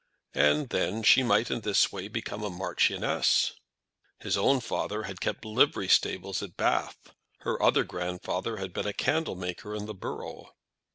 And then she might in this way become a marchioness! His own father had kept livery stables at Bath. Her other grandfather had been a candlemaker in the Borough.